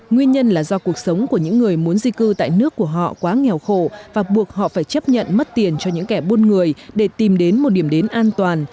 nguyên nhân là do cuộc sống của những người muốn di cư tại nước của họ quá nghèo khổ và buộc họ phải chấp nhận mất tiền cho những kẻ buôn người để tìm đến một điểm đến an toàn